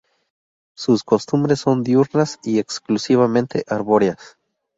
Sus costumbres son diurnas y exclusivamente arbóreas.